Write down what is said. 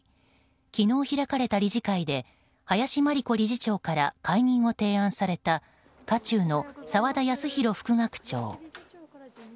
昨日開かれた理事会で林真理子理事長から解任を提案された渦中の沢田康広副学長。